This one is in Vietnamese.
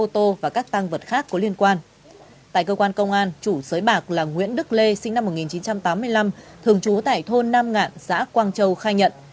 tại cơ quan công an chủ sới bạc là nguyễn đức lê sinh năm một nghìn chín trăm tám mươi năm thường trú tại thôn nam ngạn xã quang châu khai nhận